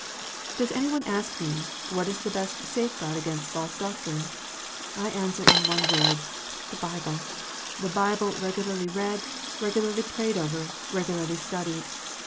Does any one ask me, What is the best safe guard against false doctrine ? I answer in one word, " The Bible : the Bible regularly read, regularly prayed over, regularly studied."